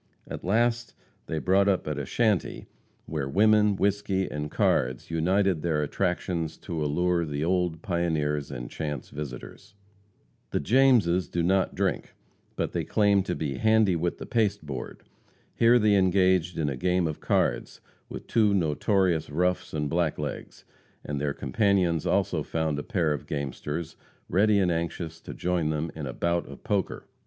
At last they brought up at a shanty where women, whisky and cards united their attractions to allure the old pioneers and chance visitors. The Jameses do not drink, but they claim to be "handy with the pasteboard." Here they engaged in a game of cards with two notorious roughs and blacklegs; and their companions also found a pair of gamesters, ready and anxious to join them in a "bout of poker."